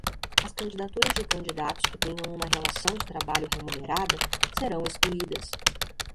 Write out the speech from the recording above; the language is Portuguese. As candidaturas de candidatos que tenham uma relação de trabalho remunerada serão excluídas.